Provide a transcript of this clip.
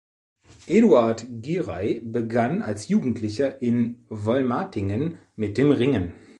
Eduard Giray begann als Jugendlicher in Wollmatingen mit dem Ringen.